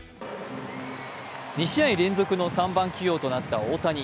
２試合連続の３番起用となった大谷。